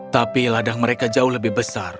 tapi ladang mereka jauh lebih besar